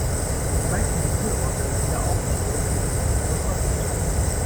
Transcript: Die meisten Befürworter der Wiederauferstehung fürchten sich vor Zombies.